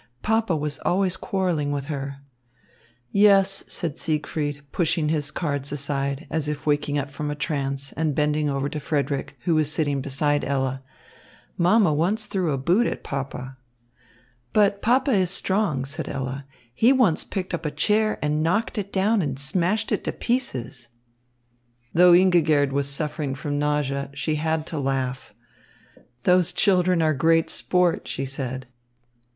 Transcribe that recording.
"Papa was always quarrelling with her." "Yes," said Siegfried, pushing his cards aside, as if waking up from a trance, and bending over to Frederick, who was sitting beside Ella, "mamma once threw a boot at papa." "But papa is strong," said Ella. "He once picked up a chair and knocked it down and smashed it to pieces." Though Ingigerd was suffering from nausea, she had to laugh. "Those children are great sport," she said.